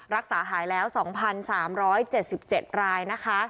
รักษาหายแล้ว๒๓๗๗ราย